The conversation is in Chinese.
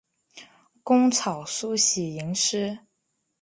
工草书喜吟诗。